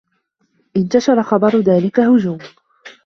انتشر خبر ذلك هجوم.